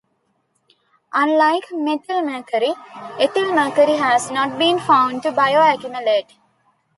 Unlike methylmercury, ethylmercury has not been found to bioaccumulate.